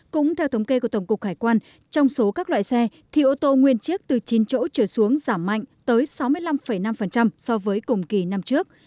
cũng theo thống kê của tổng cục hải quan trong số các loại xe thì ô tô nguyên chiếc từ chín chỗ trở xuống giảm mạnh tới sáu mươi năm năm so với cùng kỳ năm trước